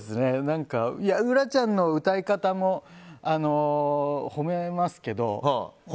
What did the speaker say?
ウラちゃんの歌い方も褒めますけど。